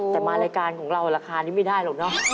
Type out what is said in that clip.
แต่มารายการของเราราคานี้ไม่ได้หรอกเนอะ